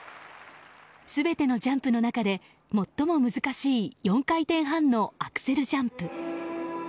全てのジャンプの中で最も難しい４回転半のアクセルジャンプ。